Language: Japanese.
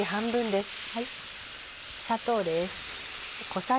砂糖です。